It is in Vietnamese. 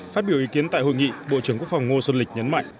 phát biểu ý kiến tại hội nghị bộ trưởng quốc phòng ngô xuân lịch nhấn mạnh